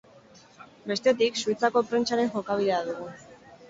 Bestetik, Suitzako prentsaren jokabidea dugu.